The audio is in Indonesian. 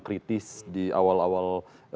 kritis di awal awal